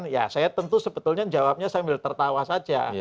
ya saya tentu sebetulnya jawabnya sambil tertawa saja